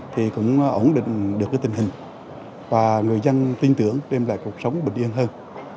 thì cũng ổn định được cái tình hình và người dân tin tưởng đem lại cuộc sống bình yên hơn